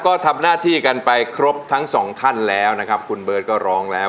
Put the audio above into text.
ก็ทำหน้าที่กันไปครบทั้งสองท่านแล้วนะครับคุณเบิร์ตก็ร้องแล้ว